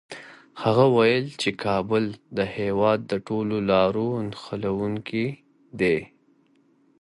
هغه وویل چي کابل د هېواد د ټولو لارو نښلوونکی دی.